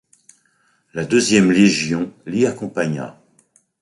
La deuxième légion l’y accompagna.